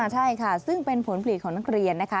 ใช่ค่ะซึ่งเป็นผลผลิตของนักเรียนนะคะ